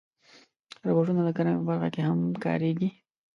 روبوټونه د کرنې په برخه کې هم کارېږي.